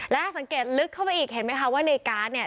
แล้วถ้าสังเกตลึกเข้าไปอีกเห็นไหมคะว่าในการ์ดเนี่ย